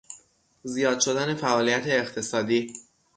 زیاد شدن فعالیت اقتصادی